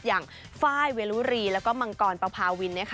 อย่างไฟล์เวลูรีและมังกรปาวพาวิน